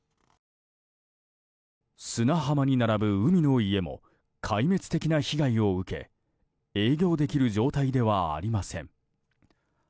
砂浜に並ぶ海の家も壊滅的な被害を受け営業できる状態ではありません。